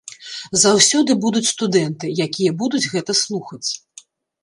Заўсёды будуць студэнты, якія будуць гэта слухаць.